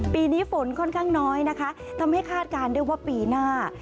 ปีนี้ฝนค่อนข้างน้อยนะคะทำให้คาดการณ์ได้ว่าปีหน้า